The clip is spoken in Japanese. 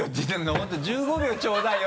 本当「１５秒ちょうだいよ」